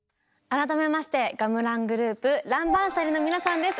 改めましてガムラングループランバンサリの皆さんです。